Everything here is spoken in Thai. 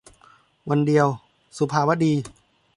วันเดียว - สุภาวดี